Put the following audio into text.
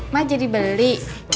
ma jadi beli